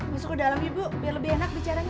masuk ke dalam ibu biar lebih enak bicaranya